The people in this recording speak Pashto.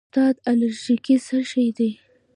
استاده الرژي څه شی ده